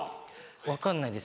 分かんないです